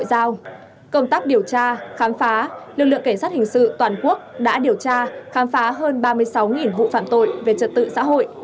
công tác điều tra khám phá lực lượng cảnh sát hình sự toàn quốc đã điều tra khám phá hơn ba mươi sáu vụ phạm tội về trật tự xã hội